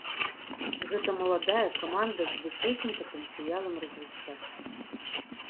Гэта маладая каманда з высокім патэнцыялам развіцця.